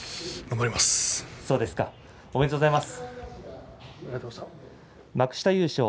ありがとうございます。